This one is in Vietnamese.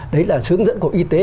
đấy là hướng dẫn của y tế